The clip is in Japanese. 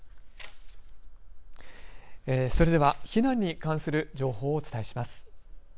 それでは避難に関する情報をお伝えします。